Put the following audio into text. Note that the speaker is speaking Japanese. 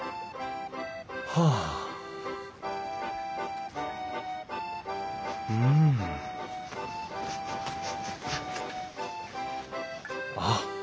はあうんあっ